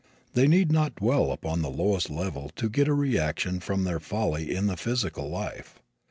They need not dwell upon the lowest level to get a reaction from their folly in the physical life.